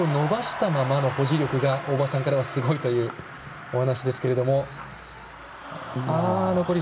腕を伸ばしたままの保持力が大場さんからはすごいというお話ですが。